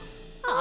あ！